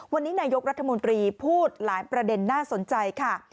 วันนี้นายกรัฐมนตรีพูดหลายประเด็นน่าสนใจค่ะ